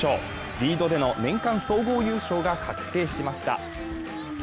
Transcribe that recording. リードでの年間総合優勝が確定しました。